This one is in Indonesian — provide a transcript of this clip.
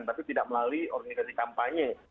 tapi tidak melalui organisasi kampanye